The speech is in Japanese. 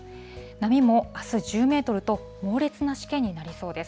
波もあす１０メートルと、猛烈なしけになりそうです。